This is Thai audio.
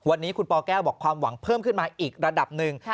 วันนี้คุณปแก้วบอกความหวังเพิ่มขึ้นมาอีกระดับหนึ่ง